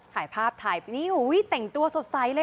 ถ่ายภาพถ่ายปีนี้อุ๊ยแต่งตัวสบายเลย